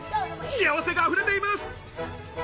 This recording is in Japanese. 幸せが溢れています。